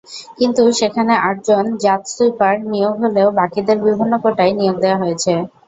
কিন্তু সেখানে আটজন জাতসুইপার নিয়োগ হলেও বাকিদের বিভিন্ন কোটায় নিয়োগ দেওয়া হয়েছে।